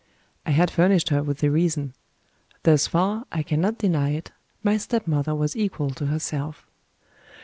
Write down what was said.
I had furnished her with the reason. Thus far, I cannot deny it, my stepmother was equal to herself.